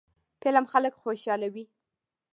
فلم خلک خوشحالوي